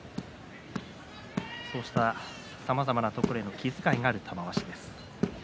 そうした、さまざまなところに気遣いがある玉鷲です。